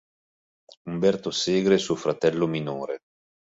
Umberto Segre è suo fratello minore.